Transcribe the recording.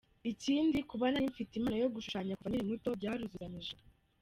Ikindi kuba nari mfite impano yo gushushanya kuva nkiri muto, byaruzuzanyije.